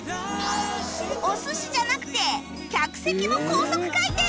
お寿司じゃなくて客席も高速回転！